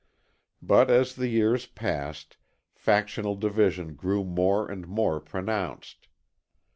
But as the years passed factional division grew more and more pronounced.